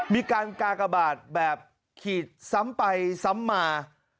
มีการกากบาทแบบขีดซ้ำไปซ้ำมา